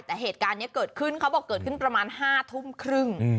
แต่เหตุการณ์นี้เกิดขึ้นเขาบอกเกิดขึ้นประมาณ๕ทุ่มครึ่ง